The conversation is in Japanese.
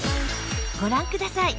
ご覧ください。